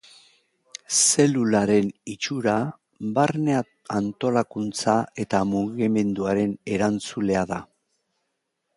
Zelularen itxura, barne antolakuntza eta mugimenduaren erantzulea da.